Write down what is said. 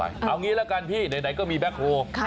เอาอย่างนี้ละกันพี่ไหนก็มีแบ็คโทร